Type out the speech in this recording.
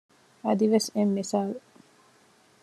އަދިވެސް އެއް މިސާލު